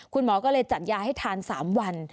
คุณหมอก็เลยจัดยาให้ทาน๓วัน